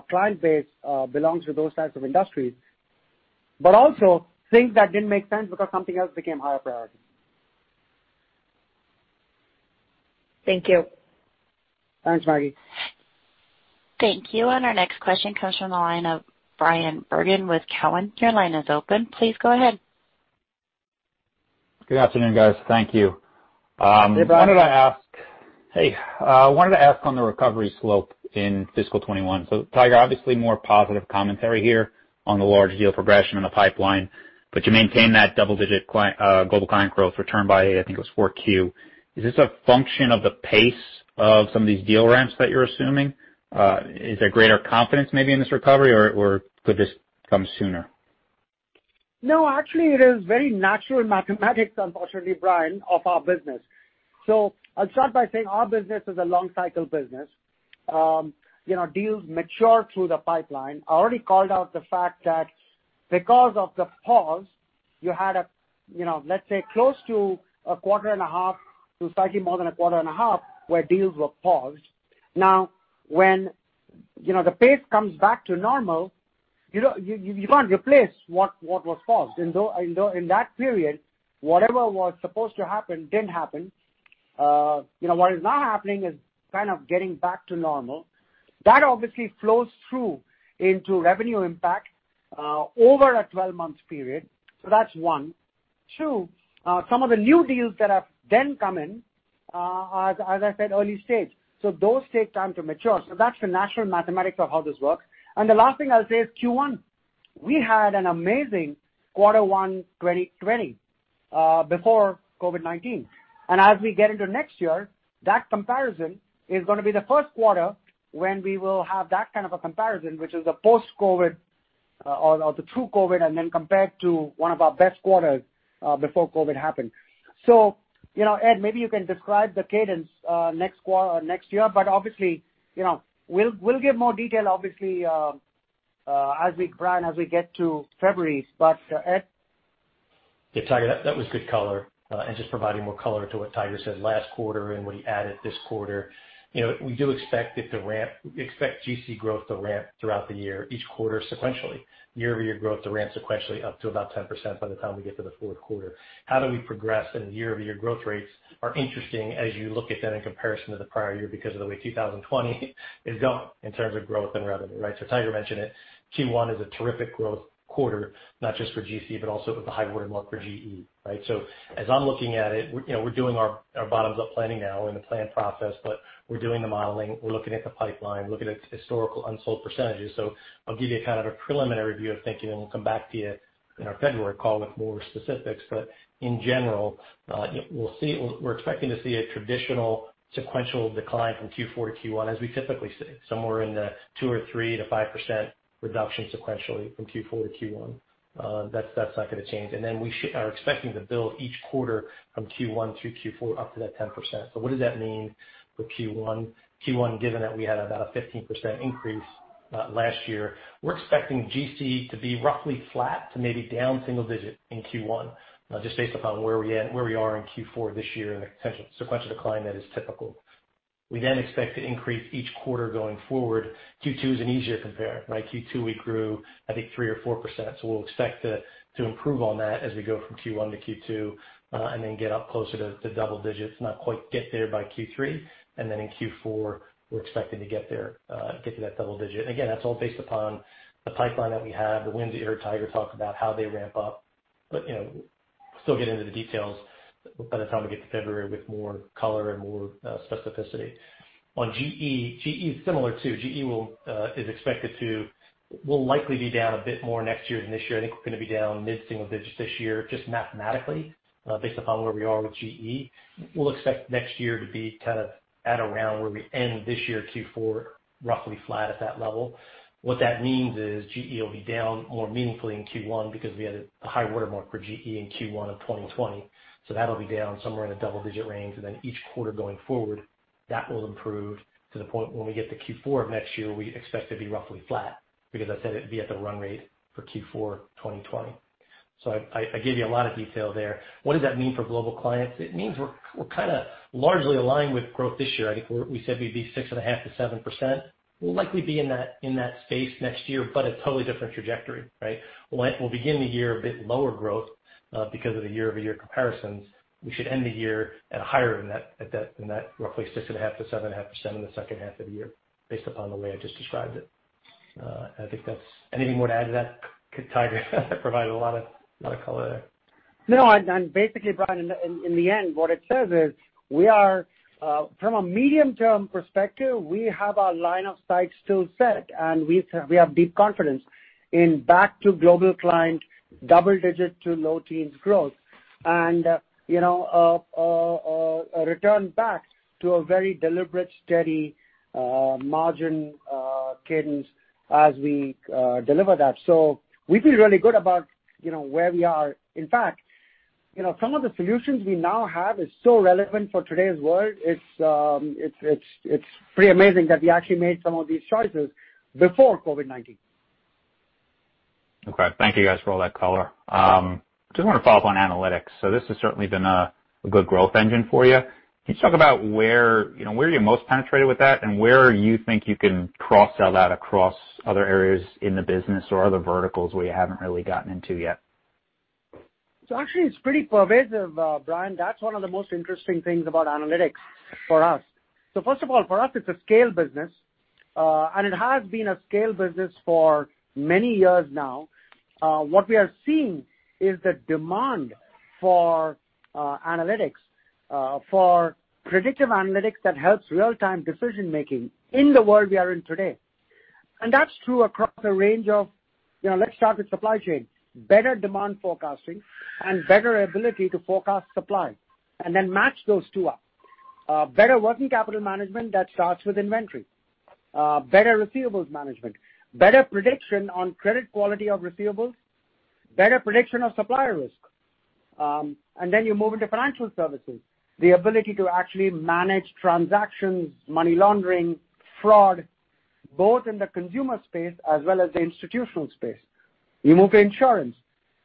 client base belongs to those types of industries. Also things that didn't make sense because something else became higher priority.
Thank you.
Thanks, Maggie.
Thank you. Our next question comes from the line of Bryan Bergin with Cowen. Your line is open. Please go ahead.
Good afternoon, guys. Thank you.
Hey, Bryan.
Hey. I wanted to ask on the recovery slope in fiscal 2021. Tiger, obviously more positive commentary here on the large deal progression in the pipeline, but you maintain that double-digit Global Client growth return by, I think it was 4Q. Is this a function of the pace of some of these deal ramps that you're assuming? Is there greater confidence maybe in this recovery, or could this come sooner?
No, actually it is very natural mathematics, unfortunately, Bryan, of our business. I'll start by saying our business is a long cycle business. Deals mature through the pipeline. I already called out the fact that because of the pause, you had, let's say, close to 1.5 quarters to slightly more than 1.5 quarters where deals were paused. When the pace comes back to normal, you can't replace what was paused. In that period, whatever was supposed to happen didn't happen. What is now happening is kind of getting back to normal. That obviously flows through into revenue impact over a 12-month period. That's one. Two, some of the new deals that have then come in, as I said, early stage. Those take time to mature. That's the natural mathematics of how this works. The last thing I'll say is Q1. We had an amazing quarter one 2020, before COVID-19. As we get into next year, that comparison is gonna be the first quarter when we will have that kind of a comparison, which is the post-COVID, or the true COVID, and then compared to one of our best quarters before COVID happened. Ed, maybe you can describe the cadence next year, but obviously, we'll give more detail, Bryan, as we get to February. Ed?
Yeah, Tiger, that was good color. Just providing more color to what Tiger said last quarter and what he added this quarter. We expect GC growth to ramp throughout the year, each quarter sequentially. Year-over-year growth to ramp sequentially up to about 10% by the time we get to the fourth quarter. How do we progress in year-over-year growth rates are interesting as you look at them in comparison to the prior year because of the way 2020 has gone in terms of growth and revenue, right? Tiger mentioned it. Q1 is a terrific growth quarter, not just for GC, but also with the high watermark for GE, right? As I'm looking at it, we're doing our bottoms-up planning now in the plan process, but we're doing the modeling. We're looking at the pipeline, looking at historical unsold percentages. I'll give you a kind of a preliminary view of thinking, and we'll come back to you in our February call with more specifics. In general, we're expecting to see a traditional sequential decline from Q4 to Q1, as we typically see. Somewhere in the 2% or 3% to 5% reduction sequentially from Q4 to Q1. That's not gonna change. Then we are expecting to build each quarter from Q1 through Q4 up to that 10%. What does that mean for Q1? Q1, given that we had about a 15% increase last year, we're expecting GC to be roughly flat to maybe down single-digit in Q1. Just based upon where we are in Q4 this year and the potential sequential decline that is typical. We then expect to increase each quarter going forward. Q2 is an easier compare, right? Q2, we grew, I think 3% or 4%, so we'll expect to improve on that as we go from Q1 to Q2, and then get up closer to double digits, not quite get there by Q3. In Q4, we're expecting to get to that double-digit. Again, that's all based upon the pipeline that we have, the wins that you heard Tiger talk about, how they ramp up. We'll still get into the details by the time we get to February with more color and more specificity. On GE, GE is similar, too. GE will likely be down a bit more next year than this year. I think we're gonna be down mid-single digits this year, just mathematically, based upon where we are with GE. We'll expect next year to be kind of at around where we end this year, Q4, roughly flat at that level. What that means is GE will be down more meaningfully in Q1 because we had a high watermark for GE in Q1 of 2020. That'll be down somewhere in the double-digit range, and then each quarter going forward, that will improve to the point when we get to Q4 of next year, we expect to be roughly flat, because as I said, it'd be at the run rate for Q4 2020. I gave you a lot of detail there. What does that mean for Global Clients? It means we're kind of largely aligned with growth this year. I think we said we'd be 6.5%-7%. We'll likely be in that space next year, but a totally different trajectory, right? We'll begin the year a bit lower growth, because of the year-over-year comparisons. We should end the year at higher than that, roughly 6.5%-7.5% in the second half of the year, based upon the way I just described it. Anything more to add to that, Tiger? I provided a lot of color there.
No. Basically, Bryan, in the end, what it says is, from a medium-term perspective, we have our line of sight still set, and we have deep confidence in back to Global Client, double-digit to low teens growth. A return back to a very deliberate, steady, margin cadence as we deliver that. We feel really good about where we are. In fact, some of the solutions we now have is so relevant for today's world, it's pretty amazing that we actually made some of these choices before COVID-19.
Okay. Thank you guys for all that color. Just want to follow up on analytics. This has certainly been a good growth engine for you. Can you talk about where you're most penetrated with that, and where you think you can cross-sell that across other areas in the business or other verticals where you haven't really gotten into yet?
Actually, it's pretty pervasive, Bryan. That's one of the most interesting things about analytics for us. First of all, for us, it's a scale business. It has been a scale business for many years now. What we are seeing is the demand for analytics, for predictive analytics that helps real-time decision-making in the world we are in today. That's true. Let's start with supply chain. Better demand forecasting and better ability to forecast supply, and then match those two up. Better working capital management that starts with inventory. Better receivables management. Better prediction on credit quality of receivables. Better prediction of supplier risk. You move into financial services. The ability to actually manage transactions, money laundering, fraud, both in the consumer space as well as the institutional space. You move to insurance.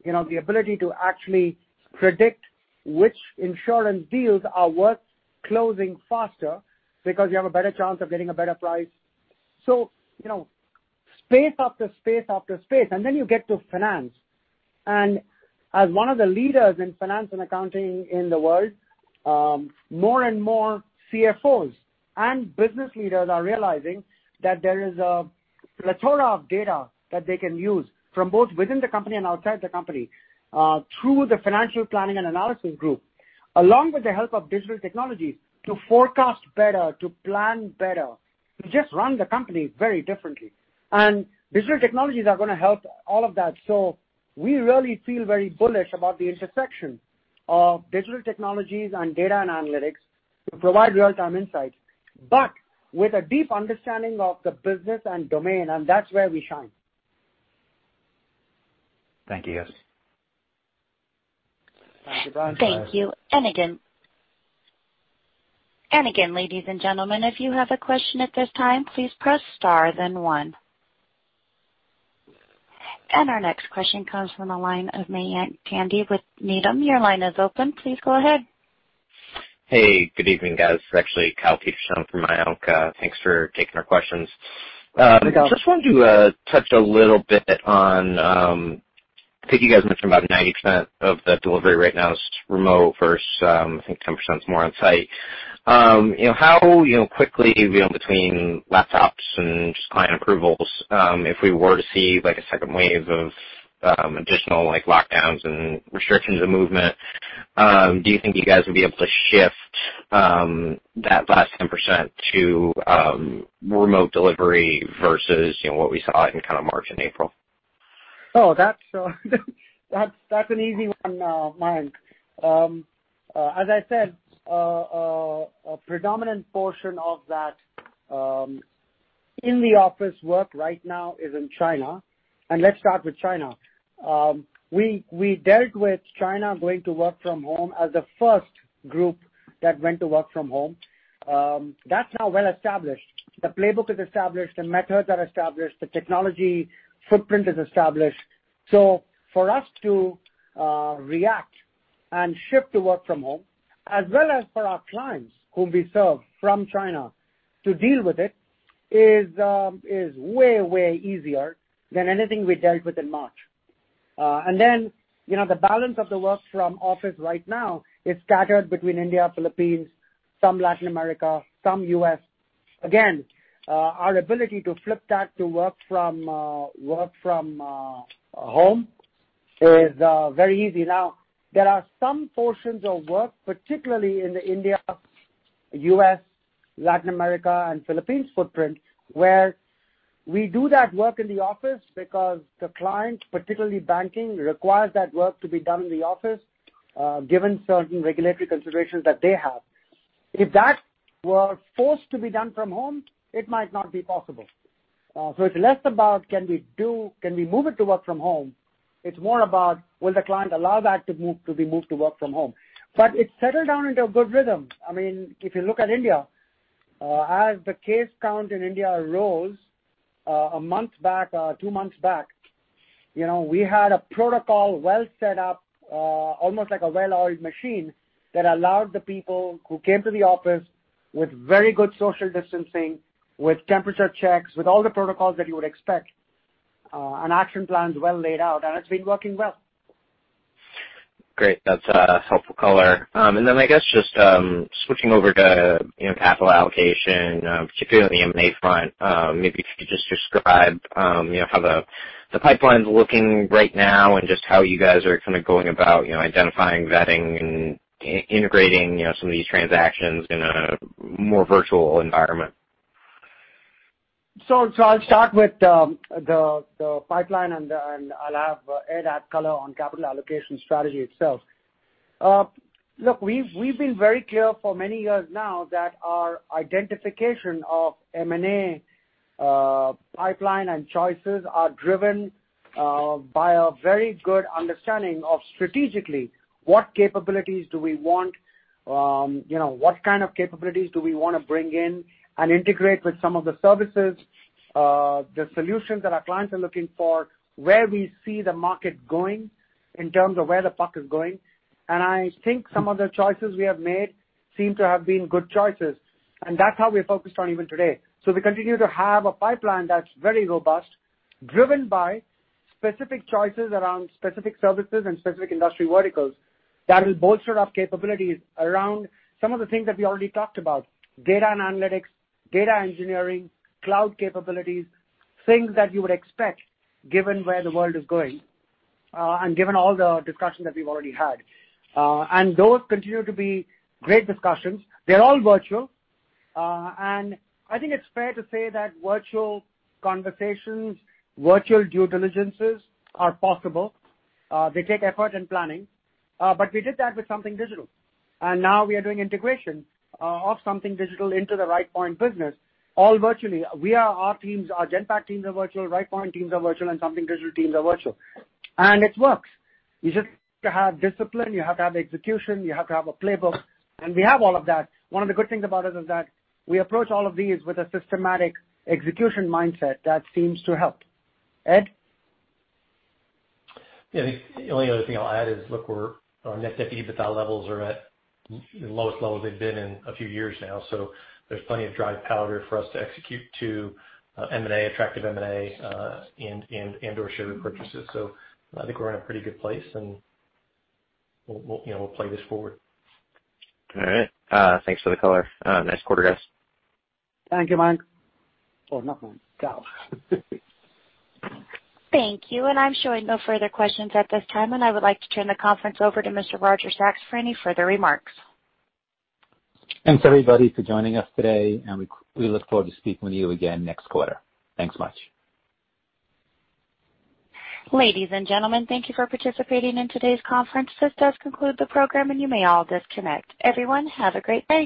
The ability to actually predict which insurance deals are worth closing faster because you have a better chance of getting a better price. Space after space after space. Then you get to finance. As one of the leaders in finance and accounting in the world, more and more CFOs and business leaders are realizing that there is a plethora of data that they can use from both within the company and outside the company, through the financial planning and analysis group, along with the help of digital technologies, to forecast better, to plan better, to just run the company very differently. Digital technologies are going to help all of that. We really feel very bullish about the intersection of digital technologies and data and analytics to provide real-time insight, but with a deep understanding of the business and domain, and that's where we shine.
Thank you, guys.
Thank you, Bryan.
Thank you. Again, ladies and gentlemen, if you have a question at this time, please press star then one. Our next question comes from the line of Mayank Tandon with Needham. Your line is open. Please go ahead.
Hey, good evening, guys. It's actually Kyle Peterson from Mayank. Thanks for taking our questions.
Hey, Kyle.
Just wanted to touch a little bit on, I think you guys mentioned about 90% of the delivery right now is remote versus, I think, 10% is more on-site. How quickly, between laptops and just client approvals, if we were to see a second wave of additional lockdowns and restrictions of movement, do you think you guys would be able to shift that last 10% to remote delivery versus what we saw in March and April?
Oh, that's an easy one, Kyle. As I said, a predominant portion of that in-the-office work right now is in China. Let's start with China. We dealt with China going to work from home as the first group that went to work from home. That's now well-established. The playbook is established, the methods are established, the technology footprint is established. For us to react and shift to work from home, as well as for our clients whom we serve from China to deal with it, is way, way easier than anything we dealt with in March. Then, the balance of the work from office right now is scattered between India, Philippines, some Latin America, some U.S. Again, our ability to flip that to work from home is very easy. Now, there are some portions of work, particularly in the India, U.S., Latin America, and Philippines footprint, where we do that work in the office because the client, particularly banking, requires that work to be done in the office, given certain regulatory considerations that they have. If that were forced to be done from home, it might not be possible. It's less about can we move it to work from home? It's more about will the client allow that to be moved to work from home? It's settled down into a good rhythm. If you look at India. As the case count in India rose a month back, two months back, we had a protocol well set up, almost like a well-oiled machine, that allowed the people who came to the office with very good social distancing, with temperature checks, with all the protocols that you would expect, and action plans well laid out, and it's been working well.
Great. That's helpful color. I guess just switching over to capital allocation, particularly on the M&A front, maybe if you could just describe how the pipeline's looking right now and just how you guys are going about identifying, vetting, and integrating some of these transactions in a more virtual environment?
I'll start with the pipeline, and I'll have Ed add color on capital allocation strategy itself. Look, we've been very clear for many years now that our identification of M&A pipeline and choices are driven by a very good understanding of, strategically, what capabilities do we want? What kind of capabilities do we want to bring in and integrate with some of the services, the solutions that our clients are looking for, where we see the market going in terms of where the puck is going. I think some of the choices we have made seem to have been good choices. That's how we're focused on even today. We continue to have a pipeline that's very robust, driven by specific choices around specific services and specific industry verticals that will bolster up capabilities around some of the things that we already talked about, data and analytics, data engineering, cloud capabilities, things that you would expect given where the world is going, and given all the discussion that we've already had. Those continue to be great discussions. They're all virtual. I think it's fair to say that virtual conversations, virtual due diligences, are possible. They take effort and planning. We did that with Something Digital, now we are doing integration of Something Digital into the Rightpoint business, all virtually. Our Genpact teams are virtual, Rightpoint teams are virtual, and Something Digital teams are virtual. It works. You just have to have discipline, you have to have execution, you have to have a playbook. We have all of that. One of the good things about us is that we approach all of these with a systematic execution mindset that seems to help. Ed?
The only other thing I'll add is, look, our net debt to EBITDA levels are at the lowest levels they've been in a few years now. There's plenty of dry powder for us to execute to M&A, attractive M&A, and/or share repurchases. I think we're in a pretty good place, and we'll play this forward.
All right. Thanks for the color. Nice quarter, guys.
Thank you, Mike. Oh, not Mike. Kyle.
Thank you. I'm showing no further questions at this time, and I would like to turn the conference over to Mr. Roger Sachs for any further remarks.
Thanks, everybody, for joining us today, and we look forward to speaking with you again next quarter. Thanks much.
Ladies and gentlemen, thank you for participating in today's conference. This does conclude the program, and you may all disconnect. Everyone, have a great day.